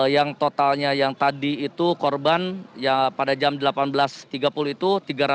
yang totalnya yang tadi itu korban ya pada jam delapan belas tiga puluh itu tiga ratus